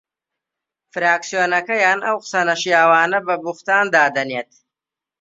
فراکسیۆنەکەیان ئەو قسە نەشیاوانە بە بوختان دادەنێت